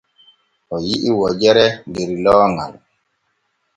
O yi’i wojere der looŋal.